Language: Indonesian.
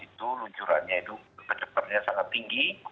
itu luncurannya itu kecepatannya sangat tinggi